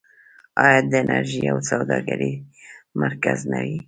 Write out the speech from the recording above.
آیا د انرژۍ او سوداګرۍ مرکز نه وي؟